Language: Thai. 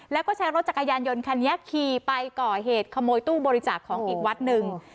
แล้วก็ใช้รถจักรยานยนต์คันนี้ขี่ไปก่อเหตุขโมยตู้บริจาคของอีกวัดหนึ่ง